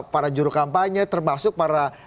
para juru kampanye termasuk para